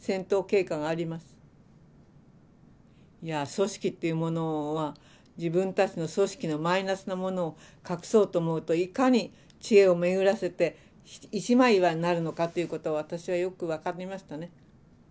組織っていうものは自分たちの組織のマイナスなものを隠そうと思うといかに知恵を巡らせて一枚岩になるのかということを私はよく分かりましたね。